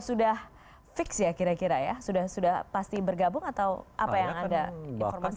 sudah fix ya kira kira ya sudah pasti bergabung atau apa yang anda informasikan